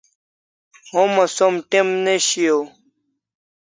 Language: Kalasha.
Homa som t'em ne shiau